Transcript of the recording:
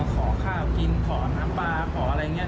แล้วแกก็มาขอข้าวกินขอน้ำปลาขออะไรเงี้ย